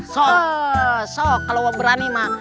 so so kalau berani mak